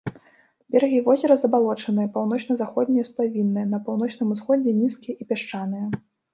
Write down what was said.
Берагі возера забалочаныя, паўночна-заходнія сплавінныя, на паўночным усходзе нізкія і пясчаныя.